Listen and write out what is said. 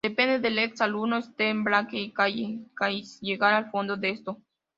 Depende del ex-alumno Steven Blake y Callie Cassidy llegar al fondo de esto.